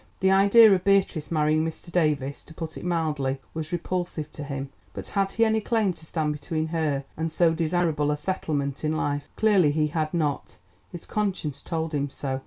The idea of Beatrice marrying Mr. Davies, to put it mildly, was repulsive to him; but had he any claim to stand between her and so desirable a settlement in life? Clearly, he had not, his conscience told him so.